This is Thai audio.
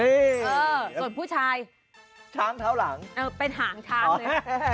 เออส่วนผู้ชายเป็นหางช้างเลยช้างเท้าหลัง